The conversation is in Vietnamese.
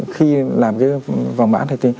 khi làm cái vàng mã này